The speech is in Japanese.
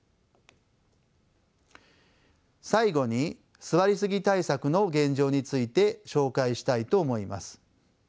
最後に座りすぎ対策の現状について紹介したいと思います。